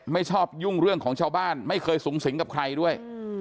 ไม่ชอบยุ่งเรื่องของชาวบ้านไม่เคยสูงสิงกับใครด้วย